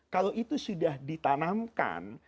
kalau itu sudah ditanamkan